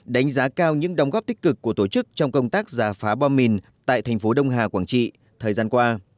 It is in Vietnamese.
đánh giá cao những đóng góp tích cực của tổ chức trong công tác giả phá bom mìn tại thành phố đông hà quảng trị thời gian qua